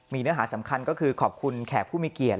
มีเนื้อหาสำคัญก็คือขอบคุณแขกผู้มีเกียรติ